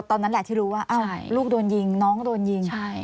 ตอนนั้นแหละที่รู้ว่าลูกโดนยิงน้องโดนยิงใช่ไหมคะ